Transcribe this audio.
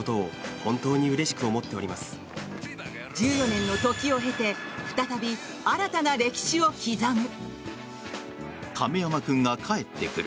１４年の時を経て再び新たな歴史を刻む。